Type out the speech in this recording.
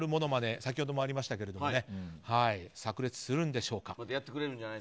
先ほどもありましたけども炸裂するんでしょうか。